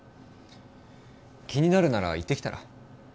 気になるなら行ってきたら？